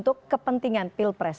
lalu benarkah pengangkatan m iryawan